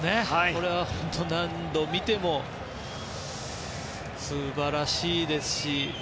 これは本当に何度見ても素晴らしいですし。